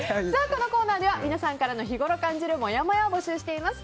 このコーナーでは皆さんからの日ごろ感じるもやもやを募集しております。